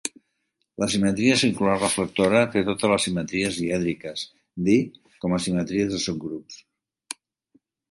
La simetria circular reflectora té totes les simetries dièdriques, Dih com a simetries de subgrups.